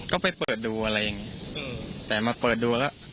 ก็ไปเปิดดูอะไรอย่างนี้แต่มาเปิดดูแล้ว